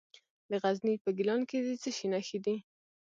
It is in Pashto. د غزني په ګیلان کې د څه شي نښې دي؟